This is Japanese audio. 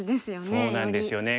そうなんですよね。